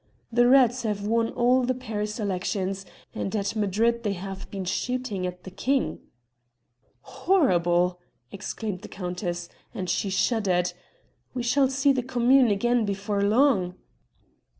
"The reds have won all the Paris elections, and at Madrid they have been shooting at the king." "Horrible!" exclaimed the countess, and she shuddered, "we shall see the Commune again before long."